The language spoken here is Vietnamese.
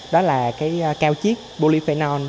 đó là cao chiết polyphenol